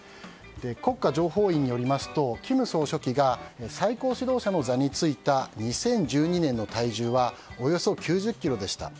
国家情報院によりますと金総書記が最高指導者の座に就いた２０１２年の体重はおよそ９０ｋｇでした。